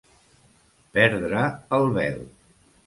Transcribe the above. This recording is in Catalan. Perdre el bel.